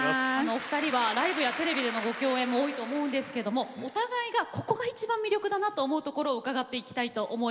お二人はライブやテレビでのご共演も多いと思うんですけどもお互いがここが一番魅力だなと思うところを伺っていきたいと思います。